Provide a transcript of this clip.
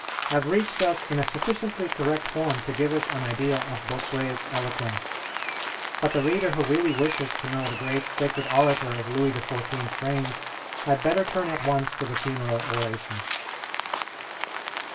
have reached us in a sufficiently correct form to give us an idea of Bossuet's eloquence: but the reader who really wishes to know the great sacred orator of Louis XIV.'s reign had better turn at once to the 'Funeral Orations.'